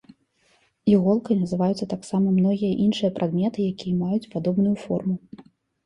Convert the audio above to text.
Іголкай называюцца таксама многія іншыя прадметы, якія маюць падобную форму.